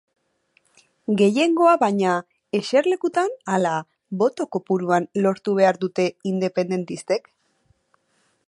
Gehiengoa baina, eserlekutan ala boto kopuruan lortu behar dute independentistek?